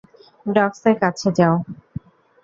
Docs এ কাছে যাও।